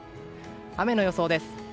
雨の予想です。